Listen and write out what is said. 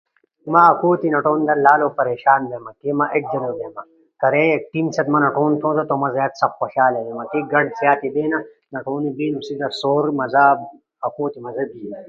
ما اکھو تی نٹونو در لالو پریشان بینا، کے ما ایک تی نی گٹیما، کارے ٹین ست نٹونو تھونا ما سخت خوشالا تھیما۔ کے سأت در بینا نٹونو سور بینا زیاد مزا آٹینا۔